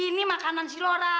ini makanan si lora